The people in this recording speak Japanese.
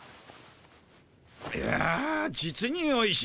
いや実においしい！